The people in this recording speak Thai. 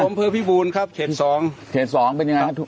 ผมเพื่อพี่บูนครับเทศสองเทศสองเป็นยังไงครับ